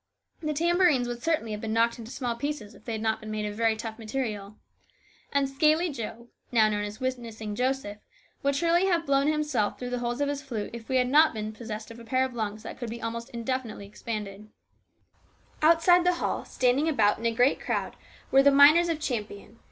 The tambourines would certainly have been knocked into small pieces if they had not been made of very tough material. And " Scaly Joe," now known as "Witnessing Joseph," would surely have blown himself through the holes of his flute if he had not been possessed of a pair of lungs that could be almost indefinitely expanded. 282 HIS BROTHER'S KEEPER. Outside the hall, standing about in a great crowd, were the miners of Champion.